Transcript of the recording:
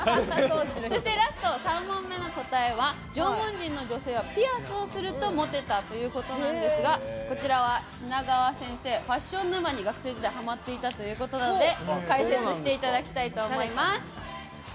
ラスト３問目の答えは縄文人の女性はピアスをするとモテたということなんですがこちらは品川先生ファッション沼に学生時代ハマっていたということなので解説していただきたいと思います。